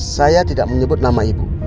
saya tidak menyebut nama ibu